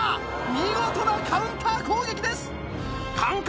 見事なカウンター攻撃です感覚